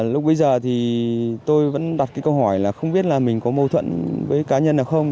lúc bây giờ thì tôi vẫn đặt cái câu hỏi là không biết là mình có mâu thuẫn với cá nhân nào không